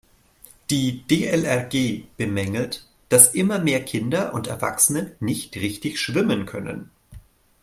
Die DLRG bemängelt, dass immer mehr Kinder und Erwachsene nicht richtig schwimmen können.